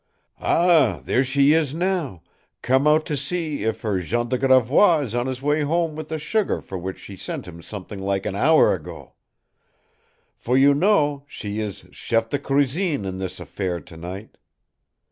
"Ah, there she is now, come out to see if her Jean de Gravois is on his way home with the sugar for which she sent him something like an hour ago; for you know she is chef de cuisine of this affair to night.